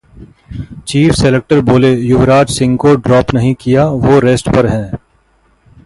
chief selector बोले, युवराज सिंह को drop नहीं किया, वो रेस्ट पर हैं